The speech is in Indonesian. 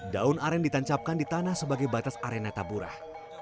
daun aren ditancapkan di tanah sebagai batas arena taburah